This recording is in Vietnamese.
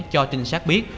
cho trinh sát biết